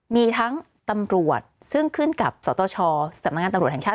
มีทั้งตำรวจซึ่งขึ้นกับสตชสำนักงานตำรวจแห่งชาติ